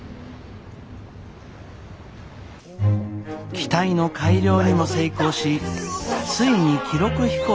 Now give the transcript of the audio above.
機体の改良にも成功しついに記録飛行の前日。